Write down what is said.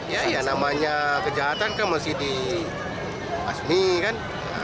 ya ya namanya kejahatan kan mesti dihasmi kan